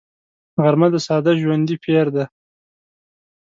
غرمه د ساده ژوندي پېر دی